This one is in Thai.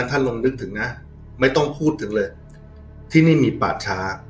ท่านลองนึกถึงนะไม่ต้องพูดถึงเลยที่นี่มีป่าช้า